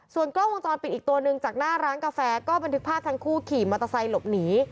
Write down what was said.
ส่วนกล้องวงจรปิดอีกตัวหนึ่งจากหน้าร้านกาแฟก็บันทึกภาพทั้งคู่ขี่มอเตอร์ไซค์หลบหนี